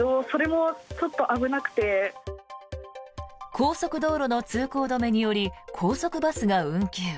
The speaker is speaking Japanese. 高速道路の通行止めにより高速バスが運休。